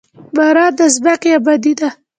باران د ځمکې ابادي ده.